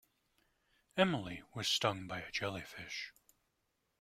Emily was stung by a jellyfish.